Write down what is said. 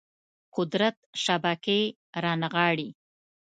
قدرت شبکې رانغاړي